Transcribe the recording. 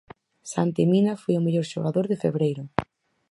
Santi Mina foi o mellor xogador de febreiro.